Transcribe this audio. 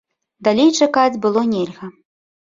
Далей чакаць было нельга.